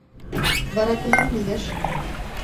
Вара кунам лиеш?